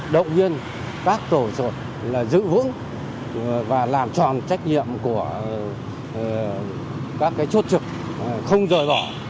động viên các tổ chuột là giữ vững và làm tròn trách nhiệm của các cái chốt trực không rời bỏ